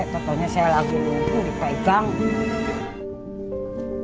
tentunya saya lagi dihubung dipegang